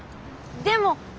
でも。